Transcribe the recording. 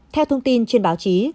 theo thông tin trên báo chí